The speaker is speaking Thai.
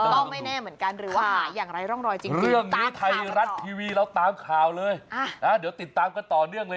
ต้องไม่แน่เหมือนกันหรือว่าหาอย่างไรร่องรอยจริงตามข่าวต่อ